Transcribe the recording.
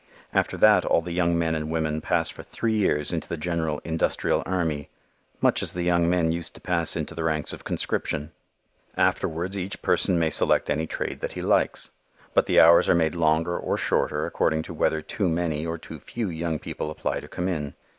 After that all the young men and women pass for three years into the general "Industrial Army," much as the young men used to pass into the ranks of conscription. Afterwards each person may select any trade that he likes. But the hours are made longer or shorter according to whether too many or too few young people apply to come in.